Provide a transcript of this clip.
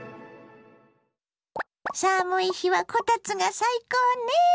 寒い日はこたつが最高ね。